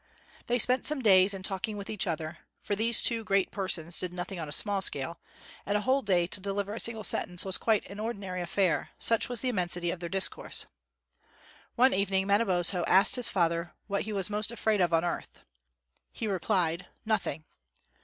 They spent some days in talking with each other for these two great persons did nothing on a small scale, and a whole day to deliver a single sentence was quite an ordinary affair, such was the immensity of their discourse. One evening Manabozho asked his father what he was most afraid of on earth. He replied "Nothing."